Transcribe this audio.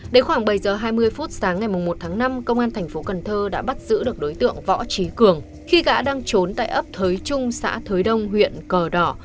đến khoảng bảy giờ hai mươi phút sáng ngày một tháng năm công an thành phố cần thơ đã bắt giữ được đối tượng võ trí cường khi gã đang trốn tại ấp thới trung xã thới đông huyện cờ đỏ